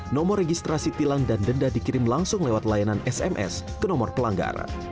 nomor registrasi tilang dan denda dikirim langsung lewat layanan sms ke nomor pelanggar